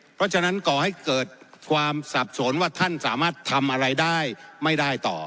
เพราะฉะนั้นก่อให้เกิดความสับสนว่าท่านสามารถทำอะไรได้ไม่ได้ต่อ